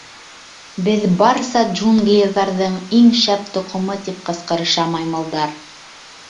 Беҙ — барса джунглиҙарҙың иң шәп тоҡомо, — тип ҡысҡырыша маймылдар.